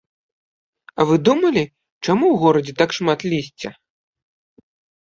А вы думалі, чаму ў горадзе так шмат лісця?